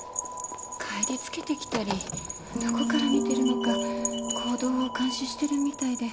帰りつけてきたりどこから見てるのか行動を監視してるみたいで。